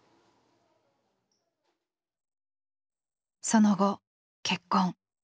その後結婚。